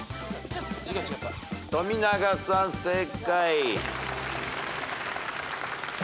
富永さん正解。